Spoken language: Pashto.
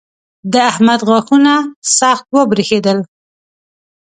د احمد غاښونه سخت وبرېښېدل.